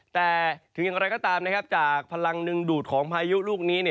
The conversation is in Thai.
แต่ถึงอย่างไรก็ตามจากพลังดึงดูดของพายุลูกนี้